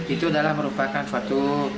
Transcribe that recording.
itu adalah merupakan suatu